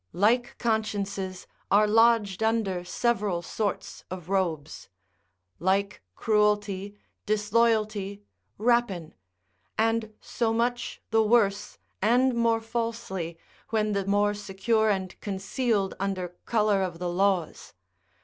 Like consciences are lodged under several sorts of robes; like cruelty, disloyalty, rapine; and so much the worse, and more falsely, when the more secure and concealed under colour of the laws.